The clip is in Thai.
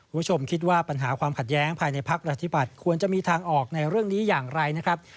คุณผู้ชมคิดว่าปัญหาความขัดแย้งภายในพักประชาธิบัติควรจะมีทางออกในเรื่องนี้อย่างไรนะครับ